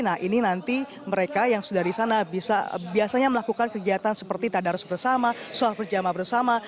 nah ini nanti mereka yang sudah di sana bisa biasanya melakukan kegiatan seperti tadarus bersama sholat berjamaah bersama